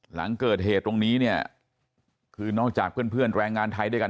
หลังเกิดเหตุตรงนี้เนี่ยคือนอกจากเพื่อนแรงงานไทยด้วยกัน